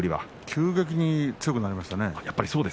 急激に強くなりましたね。